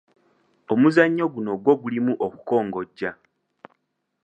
Omuzannyo guno gwo gulimu okukongojja.